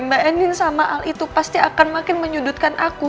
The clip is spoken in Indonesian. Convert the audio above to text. mbak eni sama al itu pasti akan makin menyudutkan aku